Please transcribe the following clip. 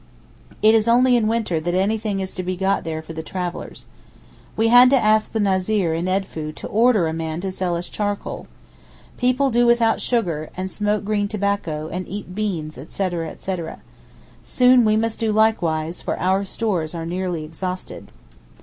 It is only in winter that anything is to be got for the travellers. We had to ask the Nazir in Edfou to order a man to sell us charcoal. People do without sugar, and smoke green tobacco, and eat beans, etc., etc. Soon we must do likewise, for our stores are nearly exhausted.